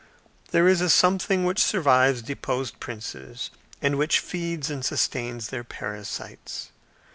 There is a something which survives deposed princes, and which feeds and sustains their parasites.